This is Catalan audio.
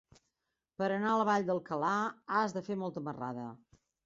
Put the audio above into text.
Per anar a la Vall d'Alcalà has de fer molta marrada.